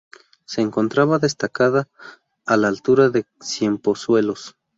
Se encontraba destacada a la altura de Ciempozuelos.